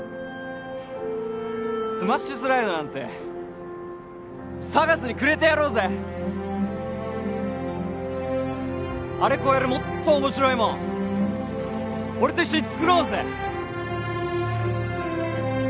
スマッシュスライドなんてＳＡＧＡＳにくれてやろうぜあれ超えるもっと面白いもん俺と一緒に作ろうぜ！